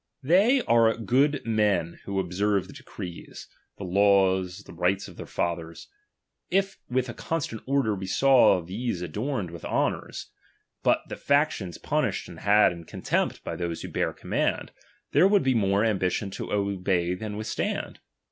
They are good men who observe the decrees, the laws, and rights of their fathers. If with a constant order we saw these adorned with honours, but the factious punished and had iu contempt by those who bear command, there would be more ambition to obey than withstand.